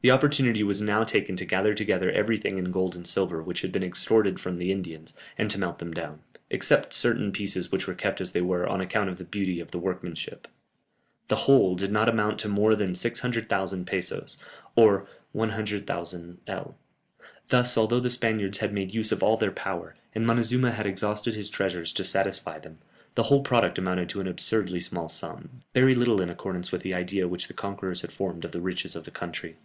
The opportunity was now taken to gather together everything in gold and silver, which had been extorted from the Indians, and to melt them down, except certain pieces which were kept as they were, on account of the beauty of the workmanship. The whole did not amount to more than 600,000 pesos, or 100,000_l._ Thus, although the Spaniards had made use of all their power, and Montezuma had exhausted his treasures to satisfy them, the whole product amounted to an absurdly small sum, very little in accordance with the idea which the conquerors had formed of the riches of the country.